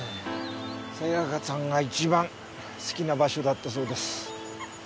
さやかさんが一番好きな場所だったそうです。